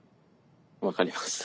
分かりました。